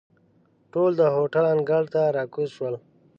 ټول د هوټل انګړ ته را کوز شول.